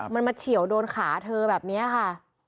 มันมาเฉียวโดนขาเธอแบบนี้ค่ะ